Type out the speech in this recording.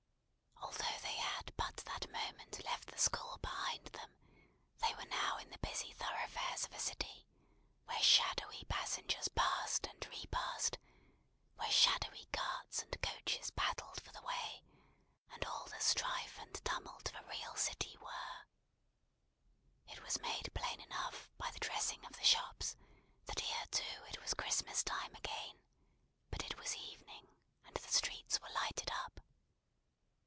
Although they had but that moment left the school behind them, they were now in the busy thoroughfares of a city, where shadowy passengers passed and repassed; where shadowy carts and coaches battled for the way, and all the strife and tumult of a real city were. It was made plain enough, by the dressing of the shops, that here too it was Christmas time again; but it was evening, and the streets were lighted up.